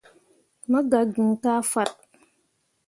Mo gah gn kah fat.